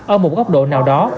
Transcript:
ở một góc độ nào đó